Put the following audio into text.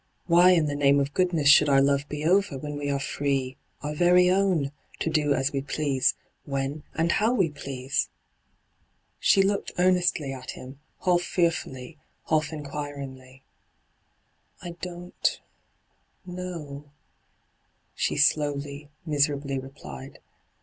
' Why in the name of goodness should our love be over, when we are free — our very own — to do as we please, when and how we please V hyGoogIc io8 ENTRAPPED She looked earnestly at him, half fear&lly, half inquiriDgly. ' I don't — know,' she slowly, miserably replied.